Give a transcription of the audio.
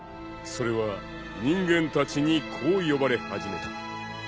［それは人間たちにこう呼ばれ始めた］